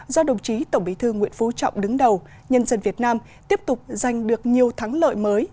do đồng chí tổng bí thư nguyễn phú trọng đứng đầu nhân dân việt nam tiếp tục giành được nhiều thắng lợi mới